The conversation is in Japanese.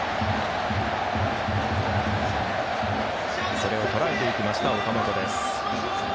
それをとらえていきました、岡本。